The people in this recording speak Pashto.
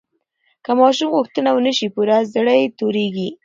که ماشوم غوښتنه ونه شي پوره، زړه یې تورېږي.